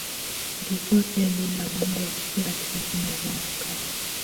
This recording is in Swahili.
Lilikuwa pia jina la mungu wa kike katika dini ya Roma ya Kale.